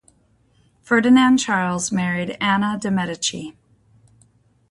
Ferdinand Charles married Anna de' Medici.